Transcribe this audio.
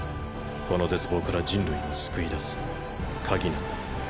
この絶望から人類を救い出す「鍵」なんだ。